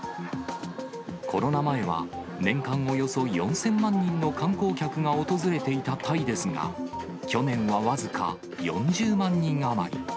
コロナ前は、年間およそ４０００万人の観光客が訪れていたタイですが、去年は僅か４０万人余り。